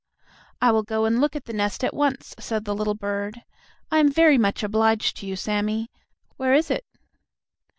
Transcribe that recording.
"I will go and look at the nest at once," said the little bird. "I am very much obliged to you, Sammie. Where is it?"